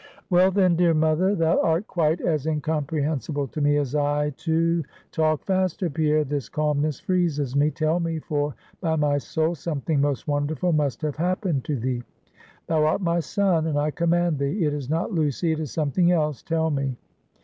'Well, then, dear mother, thou art quite as incomprehensible to me as I to ' 'Talk faster, Pierre this calmness freezes me. Tell me; for, by my soul, something most wonderful must have happened to thee. Thou art my son, and I command thee. It is not Lucy; it is something else. Tell me.'